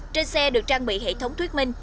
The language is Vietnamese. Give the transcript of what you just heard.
trên xe được trang bị hệ thống thuyết minh